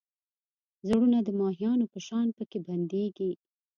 زړونه د ماهیانو په شان پکې بندېږي.